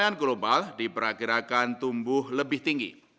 perekonomian global diperakirakan tumbuh lebih tinggi